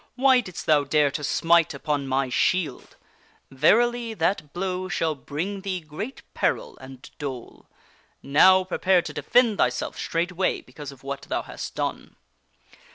" Why didst thou dare to smite upon my shield ! Verily, that blow shall bring thee great peril and dole. Now, prepare to defend thyself straightway because of what thou hast done."